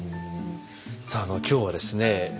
さあ今日はですね